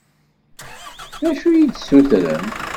D acu i yi-d-ssutren?